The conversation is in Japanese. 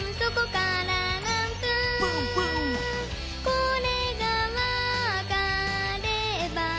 「これがわかれば」